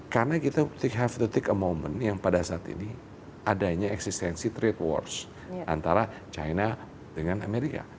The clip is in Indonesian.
karena kita have to take a moment yang pada saat ini adanya eksistensi trade wars antara china dengan amerika